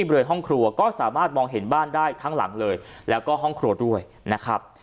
บริเวณห้องครัวก็สามารถมองเห็นบ้านได้ทั้งหลังเลยแล้วก็ห้องครัวด้วยนะครับ